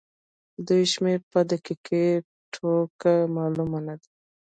د دوی شمېر په دقيقه توګه معلوم نه دی.